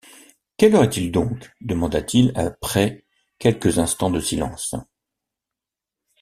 Quelle heure est-il donc ? demanda-t-il après quelques instants de silence.